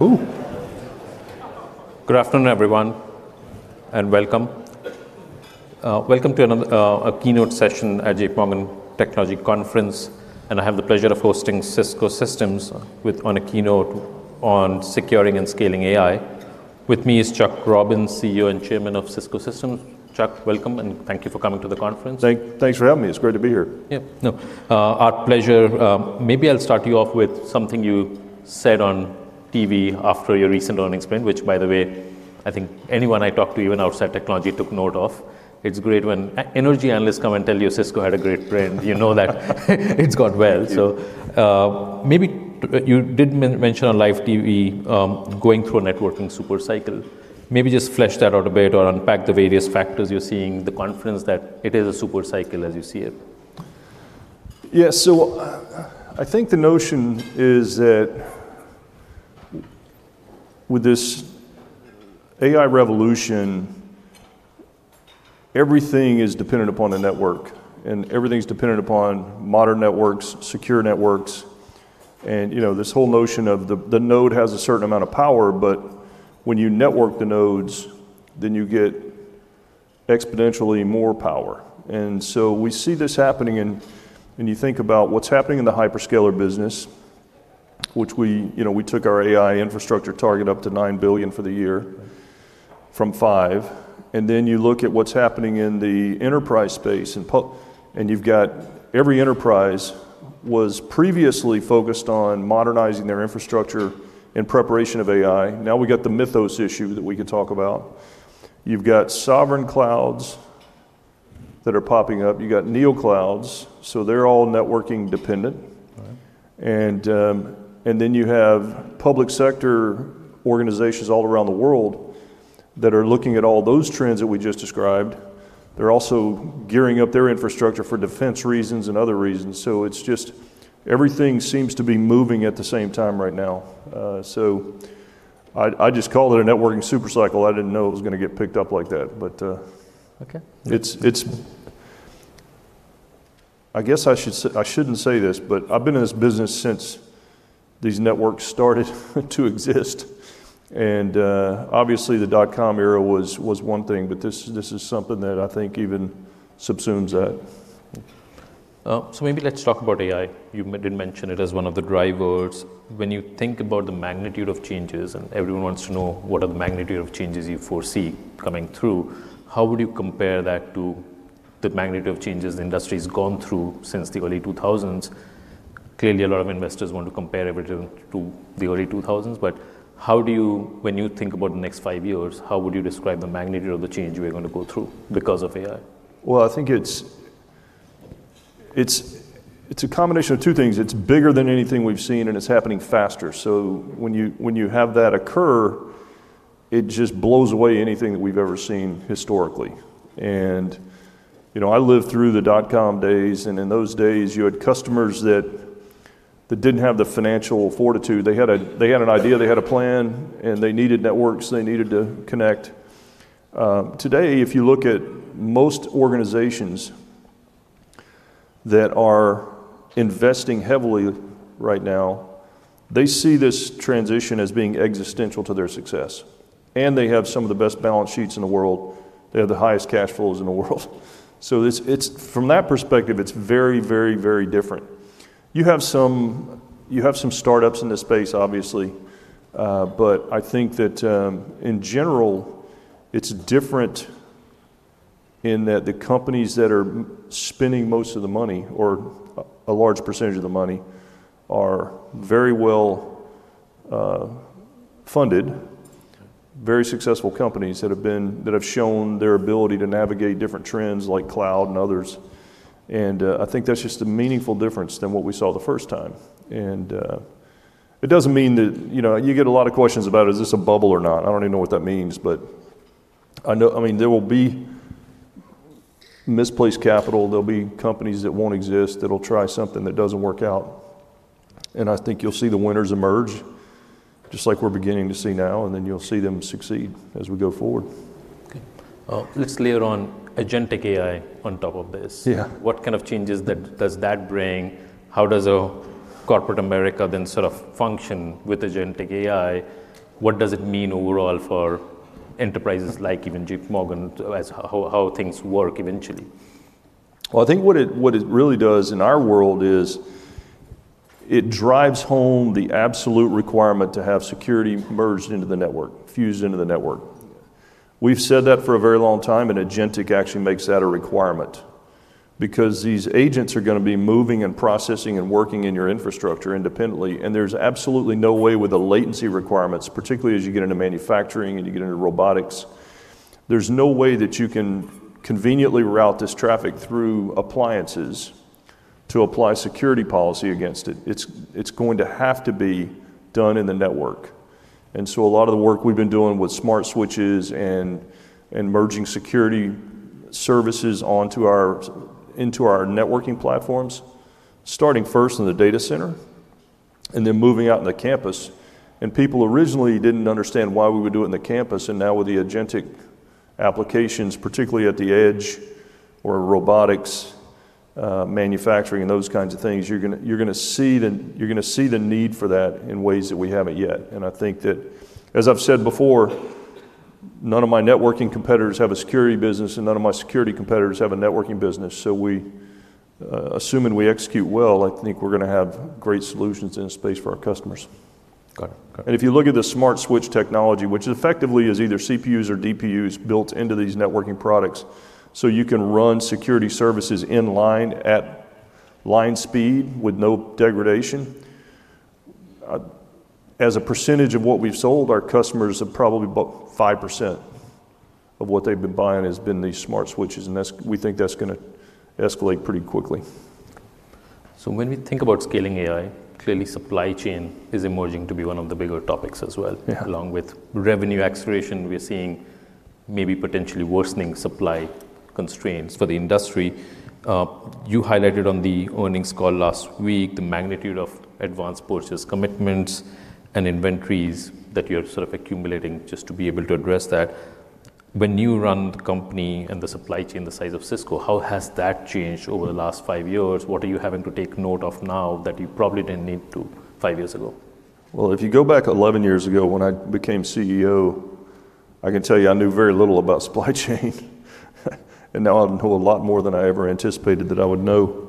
Good afternoon, everyone, and welcome. Welcome to another a keynote session at JPMorgan Technology Conference. I have the pleasure of hosting Cisco Systems with on a keynote on securing and scaling AI. With me is Chuck Robbins, CEO and Chairman of Cisco Systems. Chuck, welcome, and thank you for coming to the conference. Thanks for having me. It's great to be here. Yeah, no. Our pleasure. Maybe I'll start you off with something you said on TV after your recent earnings spend, which by the way, I think anyone I talk to, even outside technology, took note of. It's great when energy analysts come and tell you Cisco had a great brand. You know that it's gone well. Thank you. Maybe you did mention on live TV going through a networking super cycle. Maybe just flesh that out a bit or unpack the various factors you're seeing, the confidence that it is a super cycle as you see it? Yeah. I think the notion is that with this AI revolution, everything is dependent upon a network, and everything's dependent upon modern networks, secure networks, and you know, this whole notion of the node has a certain amount of power, but when you network the nodes, you get exponentially more power. We see this happening in when you think about what's happening in the hyperscaler business, which we, you know, we took our AI infrastructure target up to $9 billion for the year from $5 billion. You look at what's happening in the enterprise space and you've got every enterprise was previously focused on modernizing their infrastructure in preparation of AI. Now we've got the Mythos issue that we could talk about. You've got Sovereign Clouds that are popping up. You've got Neoclouds, they're all networking dependent. Right. Then you have public sector organizations all around the world that are looking at all those trends that we just described. They're also gearing up their infrastructure for defense reasons and other reasons. It's just everything seems to be moving at the same time right now. I just called it a networking super cycle. I didn't know it was gonna get picked up like that. Okay. It's I guess I shouldn't say this, but I've been in this business since these networks started to exist, and obviously the dotcom era was one thing, but this is something that I think even subsumes that. Maybe let's talk about AI. You did mention it as one of the drivers. When you think about the magnitude of changes, and everyone wants to know what are the magnitude of changes you foresee coming through, how would you compare that to the magnitude of changes the industry's gone through since the early 2000s? Clearly, a lot of investors want to compare everything to the early 2000s. How do you when you think about the next five years, how would you describe the magnitude of the change we're gonna go through because of AI? Well, I think it's a combination of two things. It's bigger than anything we've seen, and it's happening faster. When you have that occur, it just blows away anything that we've ever seen historically. You know, I lived through the dot-com days, and in those days you had customers that didn't have the financial fortitude. They had an idea, they had a plan, and they needed networks, they needed to connect. Today, if you look at most organizations that are investing heavily right now, they see this transition as being existential to their success. They have some of the best balance sheets in the world. They have the highest cash flows in the world. This, it's from that perspective, it's very, very, very different. You have some startups in this space, obviously. I think that, in general, it's different in that the companies that are spending most of the money or a large percentage of the money are very well funded. Okay. Very successful companies that have shown their ability to navigate different trends like cloud and others. I think that's just a meaningful difference than what we saw the first time. It doesn't mean that, you know, you get a lot of questions about, is this a bubble or not? I don't even know what that means, but I know, I mean, there will be misplaced capital. There'll be companies that won't exist, that'll try something that doesn't work out. I think you'll see the winners emerge, just like we're beginning to see now, and then you'll see them succeed as we go forward. Okay. Let's layer on agentic AI on top of this. Yeah. What kind of changes that does that bring? How does corporate America then sort of function with agentic AI? What does it mean overall for enterprises like even JPMorgan as how things work eventually? Well, I think what it really does in our world is it drives home the absolute requirement to have security merged into the network, fused into the network. We've said that for a very long time, and agentic actually makes that a requirement because these agents are gonna be moving and processing and working in your infrastructure independently, and there's absolutely no way with the latency requirements, particularly as you get into manufacturing and you get into robotics, there's no way that you can conveniently route this traffic through appliances to apply security policy against it. It's going to have to be done in the network. A lot of the work we've been doing with Cisco Smart Switches and merging security services onto our into our networking platforms, starting first in the data center and then moving out into campus, and people originally didn't understand why we would do it in the campus, and now with the agentic applications, particularly at the edge or robotics, manufacturing and those kinds of things, you're gonna see the need for that in ways that we haven't yet. I think that, as I've said before, none of my networking competitors have a security business, and none of my security competitors have a networking business. We, assuming we execute well, I think we're gonna have great solutions in this space for our customers. Got it. If you look at the Smart Switch technology, which effectively is either CPUs or DPUs built into these networking products, so you can run security services in line at line speed with no degradation. As a percentage of what we've sold, our customers have probably about 5% of what they've been buying has been these Smart Switches, and that's, we think that's gonna escalate pretty quickly. When we think about scaling AI, clearly supply chain is emerging to be one of the bigger topics as well. Yeah. Along with revenue acceleration, we're seeing maybe potentially worsening supply constraints for the industry. You highlighted on the earnings call last week the magnitude of advanced purchase commitments and inventories that you're sort of accumulating just to be able to address that. When you run the company and the supply chain the size of Cisco, how has that changed over the last five years? What are you having to take note of now that you probably didn't need to five years ago? Well, if you go back 11 years ago when I became CEO, I can tell you I knew very little about supply chain, now I know a lot more than I ever anticipated that I would know.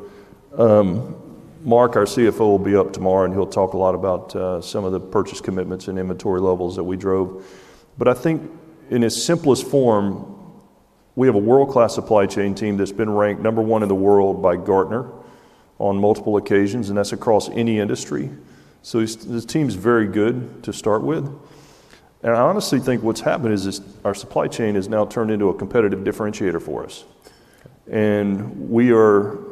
Mark, our CFO, will be up tomorrow, he'll talk a lot about some of the purchase commitments and inventory levels that we drove. I think in its simplest form, we have a world-class supply chain team that's been ranked number one in the world by Gartner on multiple occasions, that's across any industry. This team's very good to start with. I honestly think what's happened is this, our supply chain has now turned into a competitive differentiator for us. Okay.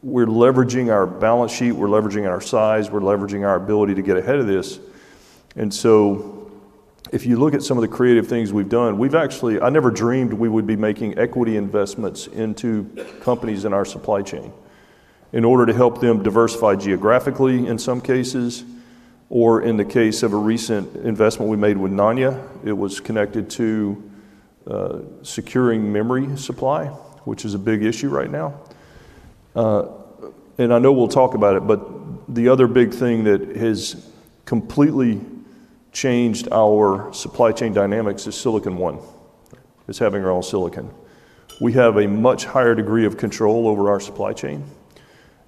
We're leveraging our balance sheet, we're leveraging our size, we're leveraging our ability to get ahead of this. If you look at some of the creative things we've done, we've actually, I never dreamed we would be making equity investments into companies in our supply chain in order to help them diversify geographically in some cases, or in the case of a recent investment we made with Nanya, it was connected to securing memory supply, which is a big issue right now. I know we'll talk about it, the other big thing that has completely changed our supply chain dynamics is Silicon One, is having our own silicon. We have a much higher degree of control over our supply chain,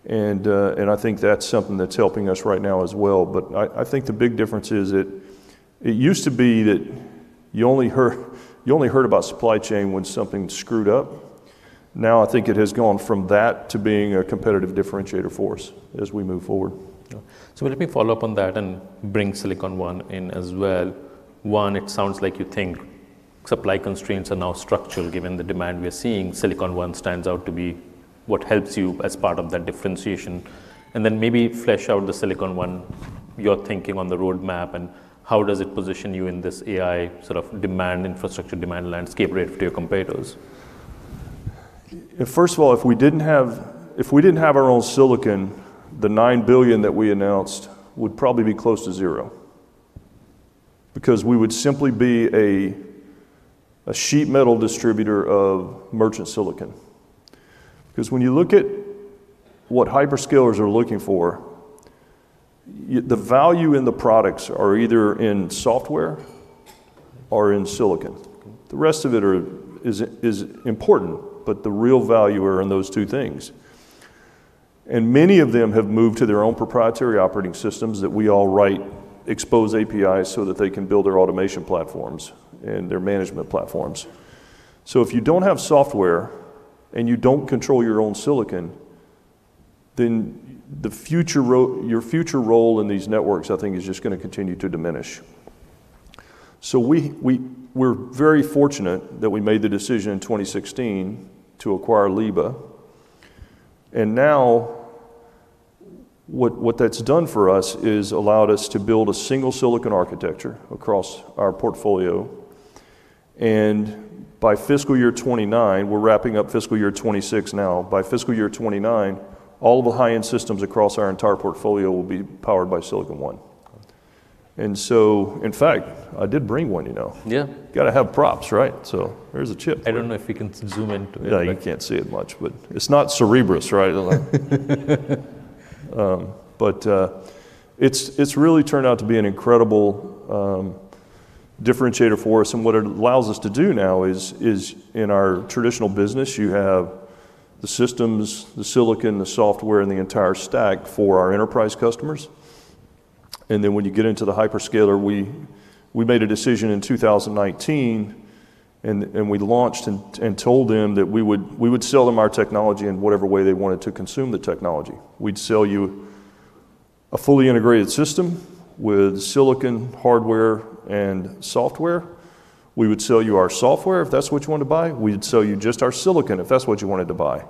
and I think that's something that's helping us right now as well. I think the big difference is it used to be that you only heard about supply chain when something screwed up. I think it has gone from that to being a competitive differentiator for us as we move forward. Yeah. Let me follow up on that and bring Silicon One in as well. One, it sounds like you think supply constraints are now structural given the demand we're seeing. Silicon One stands out to be what helps you as part of that differentiation. Maybe flesh out the Silicon One, your thinking on the roadmap, and how does it position you in this AI sort of demand, infrastructure demand landscape relative to your competitors? First of all, if we didn't have our own silicon, the $9 billion that we announced would probably be close to zero because we would simply be a sheet metal distributor of merchant silicon. When you look at what hyperscalers are looking for, the value in the products are either in software or in silicon. Okay. The rest of it is important, the real value are in those two things. Many of them have moved to their own proprietary operating systems that we all write expose APIs so that they can build their automation platforms and their management platforms. If you don't have software and you don't control your own silicon, then your future role in these networks, I think, is just gonna continue to diminish. We're very fortunate that we made the decision in 2016 to acquire Leaba. Now what that's done for us is allowed us to build a single silicon architecture across our portfolio. By fiscal year 2029, we're wrapping up fiscal year 2026 now, by fiscal year 2029, all of the high-end systems across our entire portfolio will be powered by Silicon One. Got it. In fact, I did bring one, you know. Yeah. Gotta have props, right? There's a chip. I don't know if we can zoom into it. Yeah, you can't see it much, but it's not Cerebras, right? It's really turned out to be an incredible differentiator for us. What it allows us to do now is in our traditional business, you have the systems, the silicon, the software, and the entire stack for our enterprise customers. When you get into the hyperscaler, we made a decision in 2019, and we launched and told them that we would sell them our technology in whatever way they wanted to consume the technology. We'd sell you a fully integrated system with silicon hardware and software. We would sell you our software if that's what you wanted to buy. We'd sell you just our silicon if that's what you wanted to buy.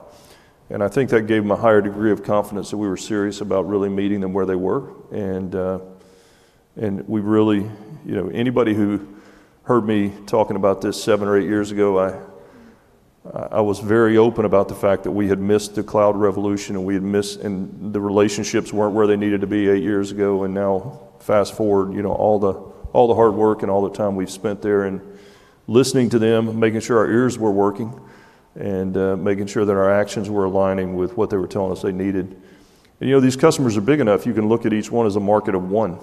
I think that gave them a higher degree of confidence that we were serious about really meeting them where they were. We really You know, anybody who heard me talking about this seven or eight years ago, I was very open about the fact that we had missed the cloud revolution and we had missed, and the relationships weren't where they needed to be eight years ago. Now fast-forward, you know, all the hard work and all the time we've spent there and listening to them, making sure our ears were working. And making sure that our actions were aligning with what they were telling us they needed. You know, these customers are big enough, you can look at each one as a market of one.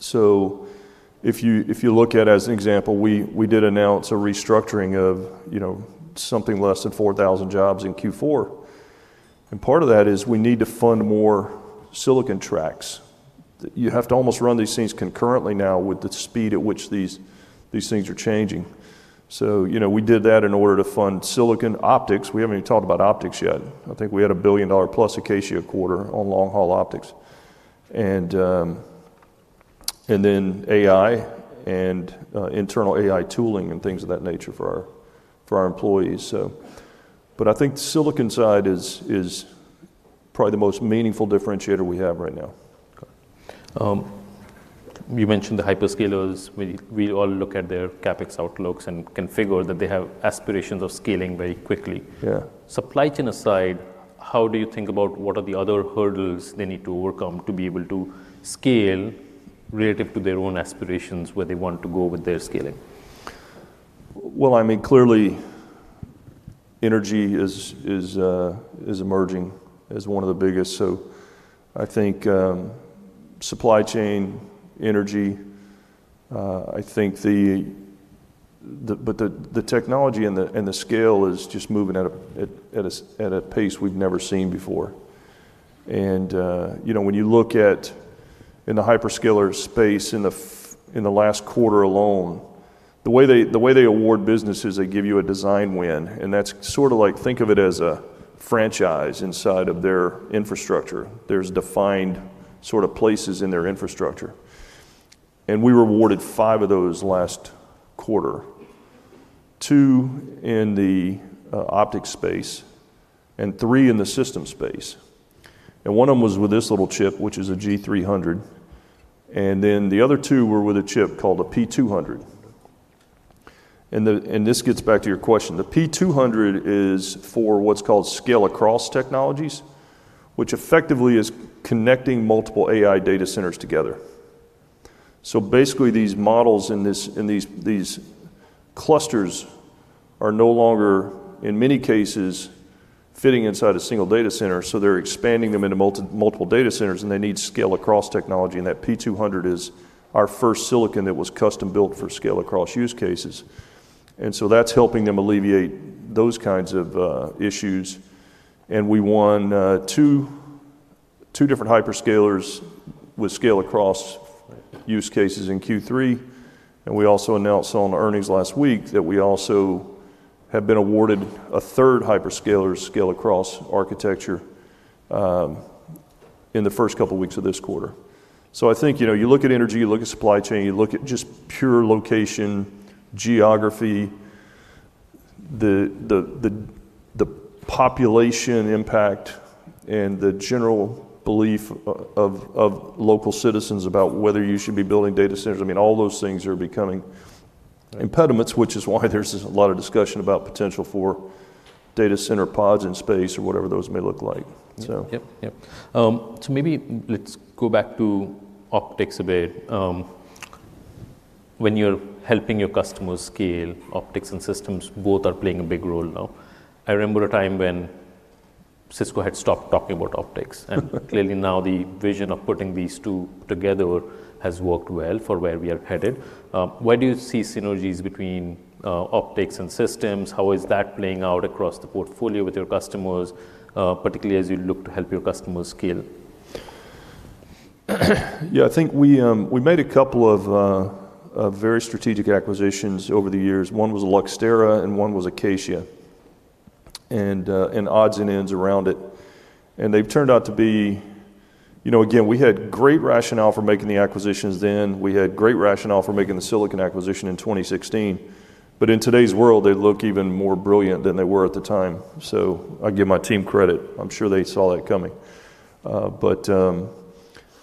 If you look at as an example, we did announce a restructuring of, you know, something less than 4,000 jobs in Q4. Part of that is we need to fund more silicon tracks. You have to almost run these things concurrently now with the speed at which these things are changing. You know, we did that in order to fund silicon optics. We haven't even talked about optics yet. I think we had a $1 billion+ Acacia quarter on long-haul optics. Then AI and internal AI tooling and things of that nature for our employees. I think silicon side is probably the most meaningful differentiator we have right now. Okay. You mentioned the hyperscalers. We all look at their CapEx outlooks and can figure that they have aspirations of scaling very quickly. Yeah. Supply chain aside, how do you think about what are the other hurdles they need to overcome to be able to scale relative to their own aspirations where they want to go with their scaling? Well, I mean, clearly, energy is emerging as one of the biggest. I think supply chain, energy, I think the technology and the scale is just moving at a pace we've never seen before. You know, when you look at in the hyperscaler space in the last quarter alone, the way they award business is they give you a design win, and that's sort of like think of it as a franchise inside of their infrastructure. There's defined sort of places in their infrastructure. We were awarded five of those last quarter, two in the optics space and three in the system space. One of them was with this little chip, which is a G300, and then the other two were with a chip called a P200. This gets back to your question. The P200 is for what's called scale-across technologies, which effectively is connecting multiple AI data centers together. Basically, these models in these clusters are no longer, in many cases, fitting inside a single data center, so they're expanding them into multiple data centers, and they need scale-across technology, and that P200 is our first silicon that was custom-built for scale-across use cases. That's helping them alleviate those kinds of issues. We won two different hyperscalers with scale-across use cases in Q3, and we also announced on earnings last week that we also have been awarded a 3rd hyperscaler's scale-across architecture in the first couple weeks of this quarter. I think, you know, you look at energy, you look at supply chain, you look at just pure location, geography, the population impact and the general belief of local citizens about whether you should be building data centers. I mean, all those things are becoming impediments, which is why there's a lot of discussion about potential for data center pods in space or whatever those may look like. Yep, yep. Maybe let's go back to optics a bit. When you're helping your customers scale, optics and systems both are playing a big role now. I remember a time when Cisco had stopped talking about optics. Clearly now the vision of putting these two together has worked well for where we are headed. Where do you see synergies between optics and systems? How is that playing out across the portfolio with your customers, particularly as you look to help your customers scale? Yeah, I think we made a couple of very strategic acquisitions over the years. One was Luxtera and one was Acacia, and odds and ends around it. They've turned out to be You know, again, we had great rationale for making the acquisitions then. We had great rationale for making the silicon acquisition in 2016. In today's world, they look even more brilliant than they were at the time. I give my team credit. I'm sure they saw that coming. But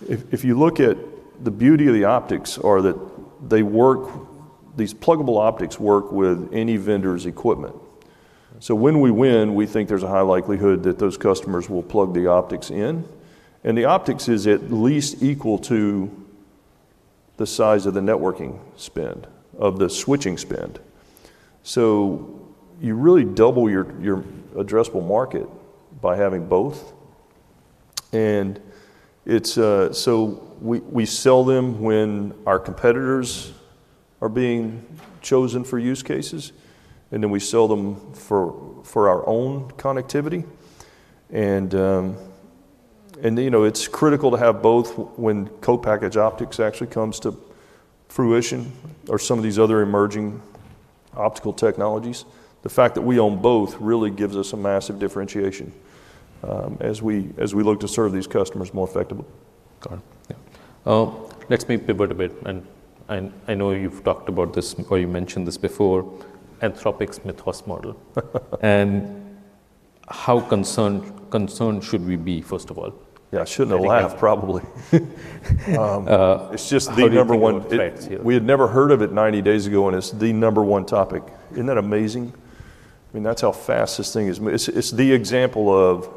if you look at the beauty of the optics are that these pluggable optics work with any vendor's equipment. When we win, we think there's a high likelihood that those customers will plug the optics in. The optics is at least equal to the size of the networking spend, of the switching spend. You really double your addressable market by having both. We sell them when our competitors are being chosen for use cases, then we sell them for our own connectivity. You know, it's critical to have both when co-packaged optics actually comes to fruition or some of these other emerging optical technologies. The fact that we own both really gives us a massive differentiation as we look to serve these customers more effectively. Got it. Yeah. Let's maybe pivot a bit. I know you've talked about this or you mentioned this before, Anthropic's Mythos model. How concerned should we be, first of all? Yeah, I shouldn't laugh probably. Uh- It's just the number one. How do you think it will affect you? We had never heard of it 90 days ago, and it's the number one topic. Isn't that amazing? I mean, that's how fast this thing is. It's the example of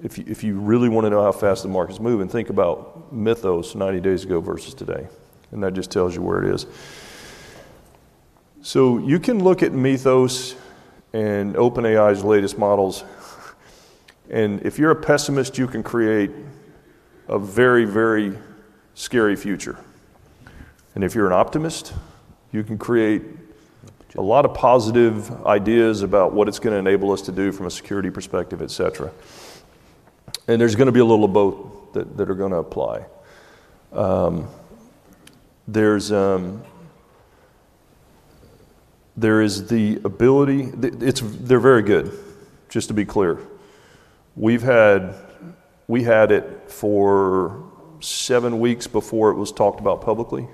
if you really wanna know how fast the market's moving, think about Mythos 90 days ago versus today, and that just tells you where it is. You can look at Mythos and OpenAI's latest models, and if you're a pessimist, you can create a very, very scary future. If you're an optimist, you can create a lot of positive ideas about what it's gonna enable us to do from a security perspective, et cetera. There's gonna be a little of both that are gonna apply. There's the ability, it's, they're very good, just to be clear. We had it for seven weeks before it was talked about publicly,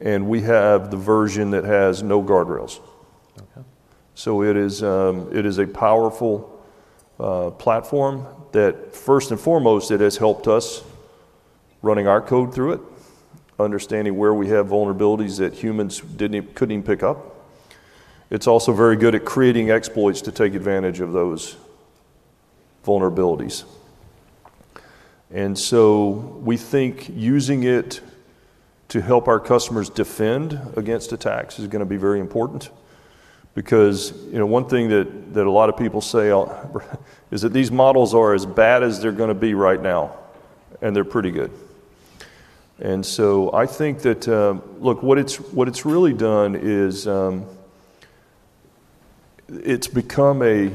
and we have the version that has no guardrails. Okay. It is a powerful platform that first and foremost, it has helped us running our code through it, understanding where we have vulnerabilities that humans couldn't even pick up. It's also very good at creating exploits to take advantage of those vulnerabilities. We think using it to help our customers defend against attacks is gonna be very important because, you know, one thing that a lot of people say is that these models are as bad as they're gonna be right now, and they're pretty good. I think that look, what it's really done is it's become a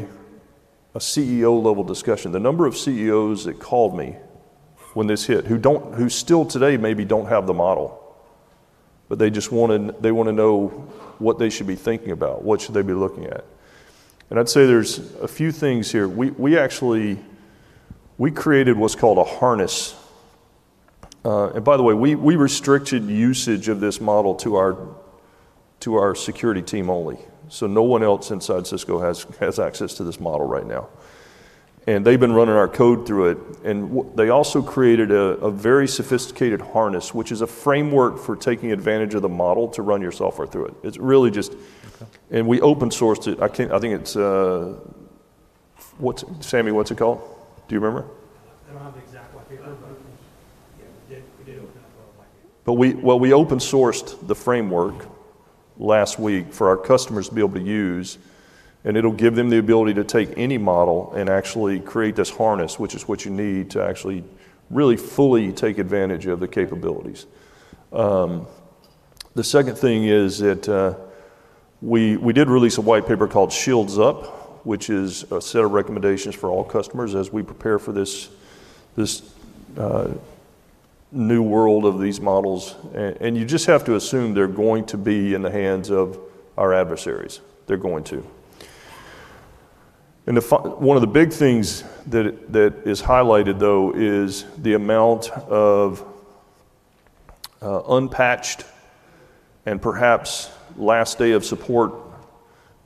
CEO level discussion. The number of CEOs that called me when this hit, who don't, who still today maybe don't have the model, but they just want to, they want to know what they should be thinking about, what should they be looking at. I'd say there's a few things here. We actually created what's called a harness. By the way, we restricted usage of this model to our security team only. No one else inside Cisco has access to this model right now. They've been running our code through it. They also created a very sophisticated harness, which is a framework for taking advantage of the model to run your software through it. Okay. We open sourced it. What's, Sami, what's it called? Do you remember? I don't have the exact white paper, but yeah, we did open source white paper. We open-sourced the framework last week for our customers to be able to use, and it'll give them the ability to take any model and actually create this harness, which is what you need to actually really fully take advantage of the capabilities. The second thing is that we did release a white paper called Shields Up, which is a set of recommendations for all customers as we prepare for this new world of these models. You just have to assume they're going to be in the hands of our adversaries. They're going to. The one of the big things that is highlighted, though, is the amount of unpatched and perhaps last day of support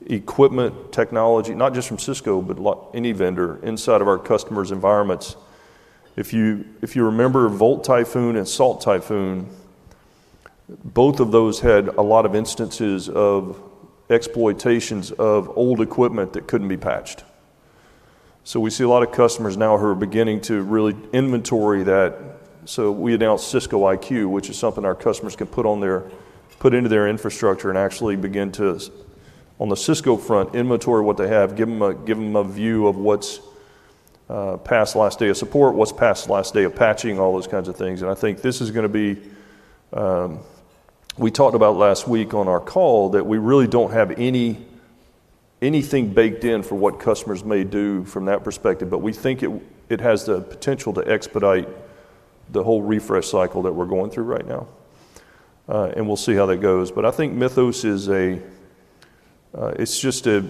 equipment technology, not just from Cisco, but any vendor inside of our customers' environments. If you remember Volt Typhoon and Salt Typhoon, both of those had a lot of instances of exploitations of old equipment that couldn't be patched. We see a lot of customers now who are beginning to really inventory that. We announced Cisco IQ, which is something our customers can put into their infrastructure and actually begin to, on the Cisco front, inventory what they have, give them a view of what's past last day of support, what's past last day of patching, all those kinds of things. I think this is gonna be, we talked about last week on our call that we really don't have any, anything baked in for what customers may do from that perspective, but we think it has the potential to expedite the whole refresh cycle that we're going through right now. We'll see how that goes. I think Mythos is a, it's just a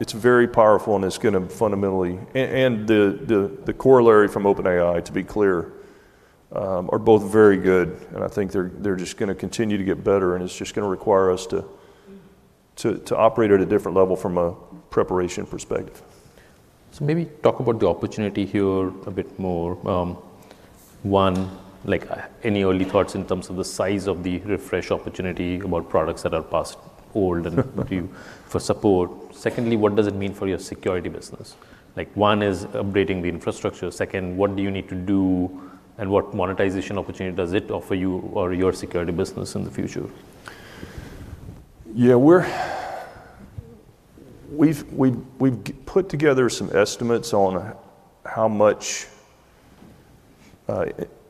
very powerful and it's gonna fundamentally and the corollary from OpenAI, to be clear, are both very good, I think they're just gonna continue to get better and it's just gonna require us to operate at a different level from a preparation perspective. Maybe talk about the opportunity here a bit more. One, like any early thoughts in terms of the size of the refresh opportunity about products that are past old and what do you, for support? Secondly, what does it mean for your security business? One is updating the infrastructure. Second, what do you need to do and what monetization opportunity does it offer you or your security business in the future? We've put together some estimates on how much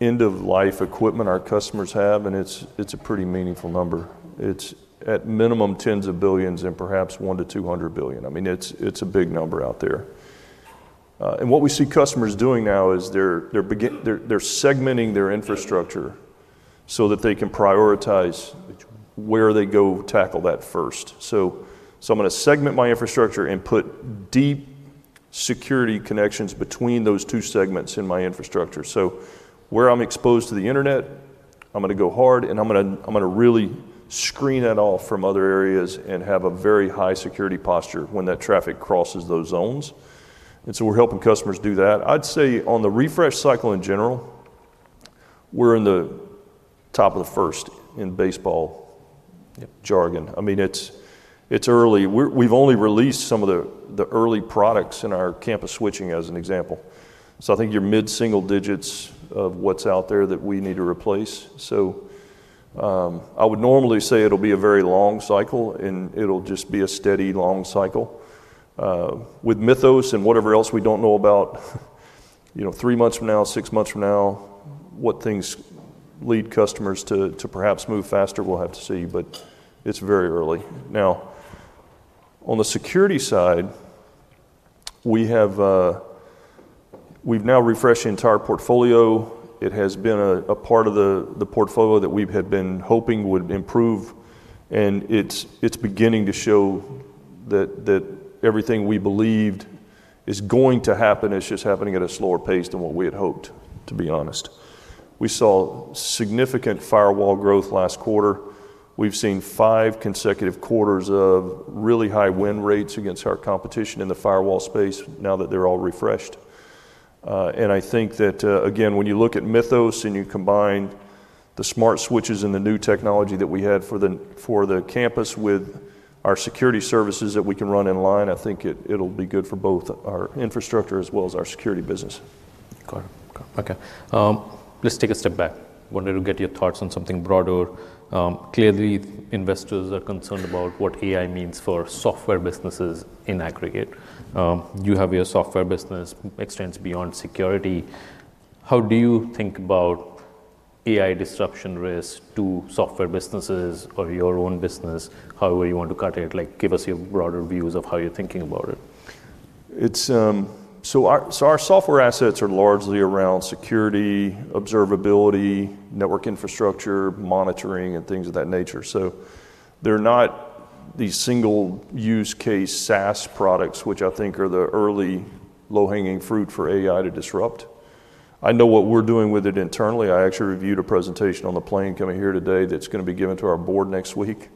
end of life equipment our customers have, and it's a pretty meaningful number. It's at minimum $10s of billions and perhaps $100 billion-$200 billion. I mean, it's a big number out there. What we see customers doing now is they're segmenting their infrastructure so that they can prioritize where they go tackle that first. I'm gonna segment my infrastructure and put deep security connections between those two segments in my infrastructure. Where I'm exposed to the internet, I'm gonna go hard and I'm gonna really screen that off from other areas and have a very high security posture when that traffic crosses those zones. We're helping customers do that. I'd say on the refresh cycle in general. We're in the top of the first in baseball jargon. I mean, it's early. We've only released some of the early products in our campus switching, as an example. I think you're mid-single digits of what's out there that we need to replace. I would normally say it'll be a very long cycle, and it'll just be a steady long cycle. With Mythos and whatever else we don't know about, you know, three months from now, six months from now, what things lead customers to perhaps move faster, we'll have to see, but it's very early. Now, on the security side, we've now refreshed the entire portfolio. It has been a part of the portfolio that we had been hoping would improve, it's beginning to show that everything we believed is going to happen, it's just happening at a slower pace than what we had hoped, to be honest. We saw significant firewall growth last quarter. We've seen five consecutive quarters of really high win rates against our competition in the firewall space now that they're all refreshed. I think that again, when you look at Mythos and you combine the Cisco Smart Switches and the new technology that we had for the campus with our security services that we can run in line, I think it'll be good for both our infrastructure as well as our security business. Got it. Got it. Okay. Let's take a step back. Wanted to get your thoughts on something broader. Clearly investors are concerned about what AI means for software businesses in aggregate. You have your software business extends beyond security. How do you think about AI disruption risk to software businesses or your own business? However you want to cut it, like give us your broader views of how you're thinking about it. Our software assets are largely around security, observability, network infrastructure, monitoring, and things of that nature. They're not these single use case SaaS products, which I think are the early low-hanging fruit for AI to disrupt. I know what we're doing with it internally. I actually reviewed a presentation on the plane coming here today that's gonna be given to our Board next week.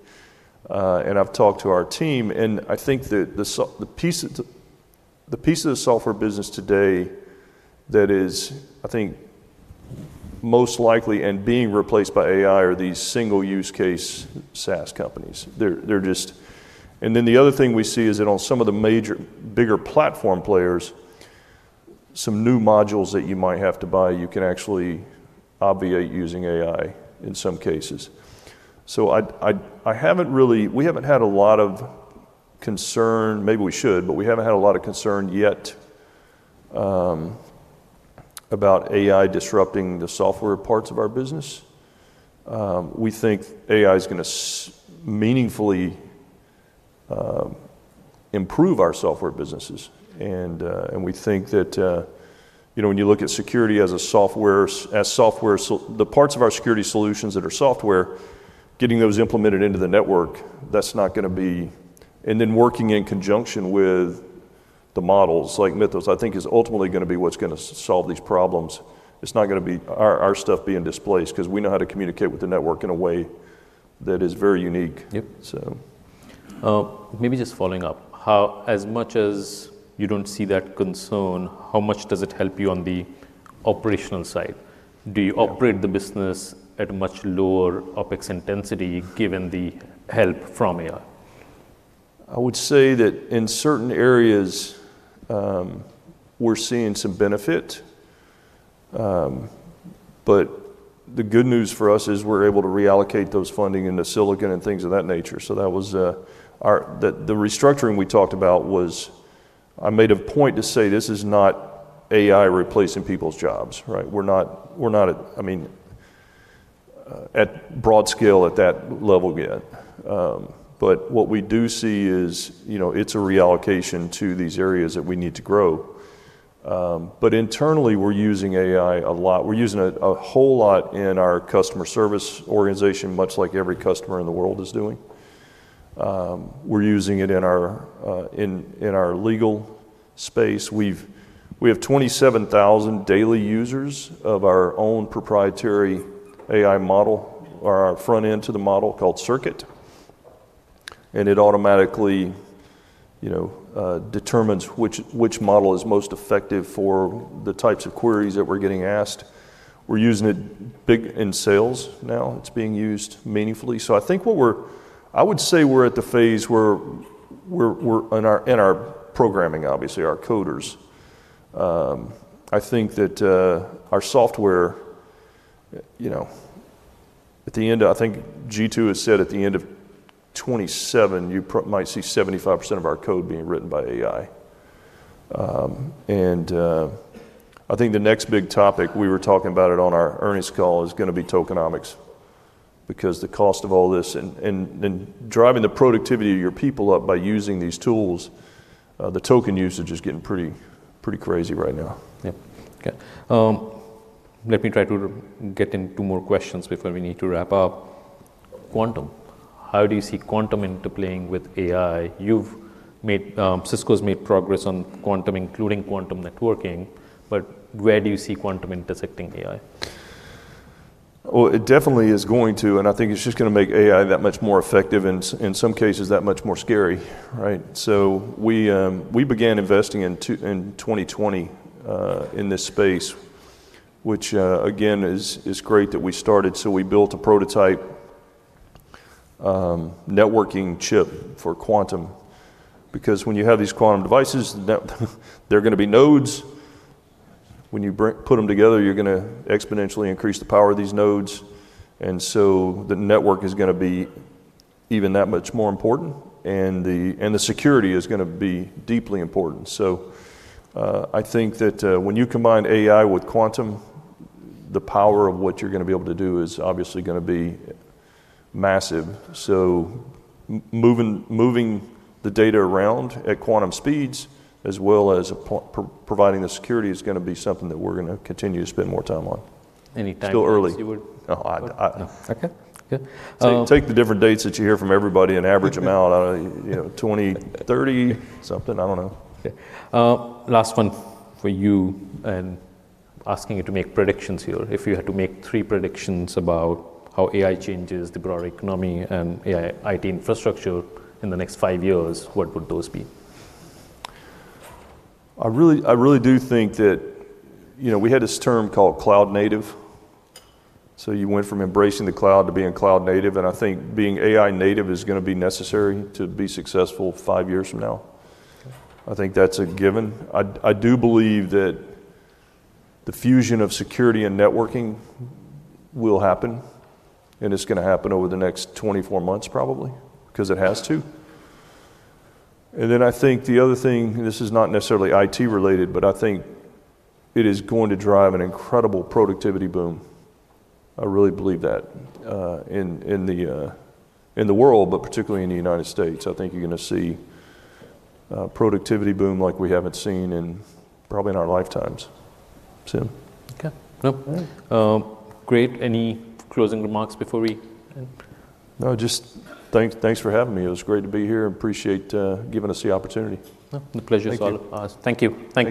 I've talked to our team, I think that the piece of the software business today that is, I think, most likely and being replaced by AI are these single use case SaaS companies. They're just. Then the other thing we see is that on some of the major, bigger platform players, some new modules that you might have to buy, you can actually obviate using AI in some cases. We haven't had a lot of concern, maybe we should, but we haven't had a lot of concern yet about AI disrupting the software parts of our business. We think AI is gonna meaningfully improve our software businesses. We think that, you know, when you look at security as the parts of our security solutions that are software, getting those implemented into the network, working in conjunction with the models, like Mythos, I think is ultimately gonna be what's gonna solve these problems. It's not gonna be our stuff being displaced 'cause we know how to communicate with the network in a way that is very unique. Yep. So. Maybe just following up. As much as you don't see that concern, how much does it help you on the operational side? Yeah. Operate the business at a much lower OpEx intensity given the help from AI? I would say that in certain areas, we're seeing some benefit. The good news for us is we're able to reallocate those funding into silicon and things of that nature. That was, the restructuring we talked about was I made a point to say this is not AI replacing people's jobs, right? We're not at, I mean, at broad scale at that level yet. What we do see is, you know, it's a reallocation to these areas that we need to grow. Internally, we're using AI a lot. We're using it a whole lot in our customer service organization, much like every customer in the world is doing. We're using it in our legal space. We have 27,000 daily users of our own proprietary AI model or our front end to the model called CIRCUIT, and it automatically, you know, determines which model is most effective for the types of queries that we're getting asked. We're using it big in sales now. It's being used meaningfully. I would say we're at the phase where we're in our programming, obviously, our coders. I think that our software, you know, at the end, I think G2 has said at the end of 2027, you might see 75% of our code being written by AI. I think the next big topic, we were talking about it on our earnings call, is gonna be tokenomics because the cost of all this and driving the productivity of your people up by using these tools, the token usage is getting pretty crazy right now. Yep. Okay. Let me try to get in two more questions before we need to wrap up. Quantum. How do you see quantum interplaying with AI? Cisco's made progress on quantum, including quantum networking, but where do you see quantum intersecting AI? Well, it definitely is going to, I think it's just gonna make AI that much more effective and in some cases, that much more scary, right? We began investing in 2020 in this space, which again, is great that we started. We built a prototype networking chip for quantum because when you have these quantum devices, they're gonna be nodes. When you put them together, you're gonna exponentially increase the power of these nodes. The network is gonna be even that much more important, and the security is gonna be deeply important. I think that when you combine AI with quantum, the power of what you're gonna be able to do is obviously gonna be massive. Moving the data around at quantum speeds as well as providing the security is gonna be something that we're gonna continue to spend more time on. Any timeline you would- Still early. Okay. Good. Take the different dates that you hear from everybody and average them out. you know, 2030 something, I don't know. Okay. Last one for you and asking you to make predictions here. If you had to make three predictions about how AI changes the broader economy and AI, IT infrastructure in the next five years, what would those be? I really do think that, you know, we had this term called cloud native. You went from embracing the cloud to being cloud native, and I think being AI native is gonna be necessary to be successful five years from now. I think that's a given. I do believe that the fusion of security and networking will happen, and it's gonna happen over the next 24 months probably, because it has to. I think the other thing, this is not necessarily IT related, but I think it is going to drive an incredible productivity boom. I really believe that in the world, but particularly in the U.S. I think you're gonna see a productivity boom like we haven't seen in probably in our lifetimes. Okay. Well, great. Any closing remarks before we end? Just thanks for having me. It was great to be here. Appreciate giving us the opportunity. The pleasure is all ours. Thank you. Thank you.